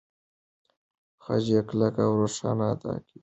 خج يې کلک او روښانه ادا کېږي.